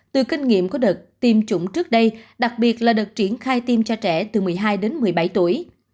từ kinh nghiệm có được tiêm chủng trước đây đặc biệt là được triển khai tiêm cho trẻ từ một mươi hai đến một mươi bảy tuổi